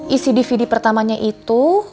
isi dvd pertamanya itu